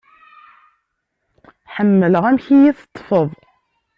Ḥemmleɣ amek i yi-teṭfeḍ.